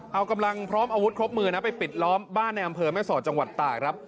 เอากำลังพร้อมอาวุธครบมือนะไปปิดล้อมบ้านในอำเภอแม่สอดจังหวัดตากครับ